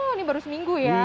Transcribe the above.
oh ini baru seminggu ya